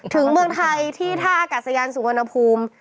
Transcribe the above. ถึงเมืองไทยที่ท่ากับสยานสุวรรณภูมิ